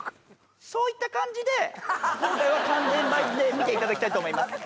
そういった感じで今回は完全版で見ていただきたいと思います。